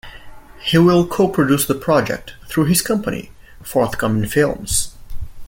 He will co-produce the project through his company, Forthcoming Films.